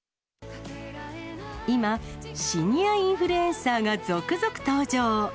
今、シニアインフルエンサーが続々登場。